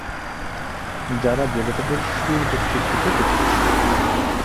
যারা দেবতাদের "সুর" গোষ্ঠীর থেকে পৃথক ছিল।